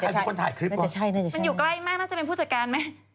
มันอยู่ใกล้มากน่าจะเป็นผู้จัดการไหม